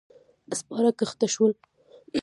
سپاره کښته شول.